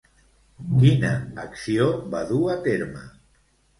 Quina acció va dur a terme?